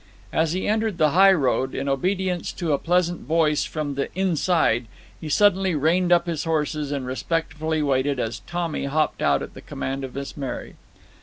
As he entered the highroad, in obedience to a pleasant voice from the "inside," he suddenly reined up his horses and respectfully waited as Tommy hopped out at the command of Miss Mary.